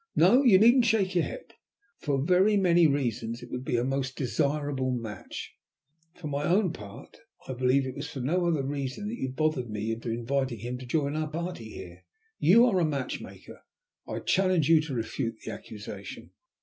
No! you needn't shake your head. For very many reasons it would be a most desirable match." "For my own part I believe it was for no other reason that you bothered me into inviting him to join our party here. You are a matchmaker. I challenge you to refute the accusation."